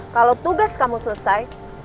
kalau tugas kamu selesai